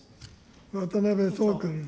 渡辺創君。